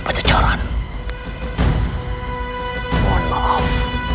saya akan menang